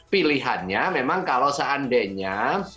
pilihannya memang kalau seandainya